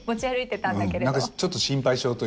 何かちょっと心配性というか。